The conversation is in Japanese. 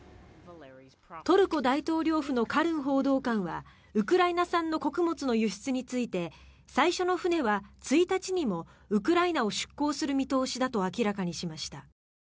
トルコ大統領府のカルン報道官はウクライナ産の穀物の輸出について最初の船は１日にもウクライナを出港する見通しだと明らかにしました。